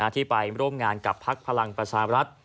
ที่ไปร่วมงานกับพักพลังประชาบรัฐ